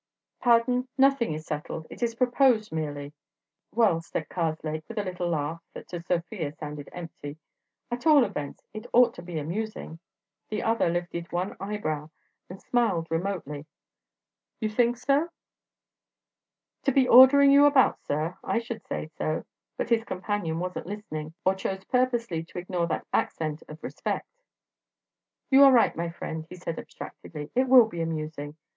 "Pardon: nothing is settled; it is proposed, merely." "Well," said Karslake with a little laugh that to Sofia sounded empty, "at all events it ought to be amusing." The other lifted one eyebrow and smiled remotely. "You think so?" "To be ordering you about, sir? I should say so!" But his companion wasn't listening or chose purposely to ignore that accent of respect. "You are right, my friend," he said, abstractedly: "it will be amusing.